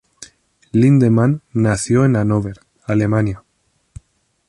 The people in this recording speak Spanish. Lindemann nació en Hanóver, Alemania.